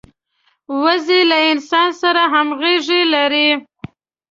وزې له انسان سره همږغي لري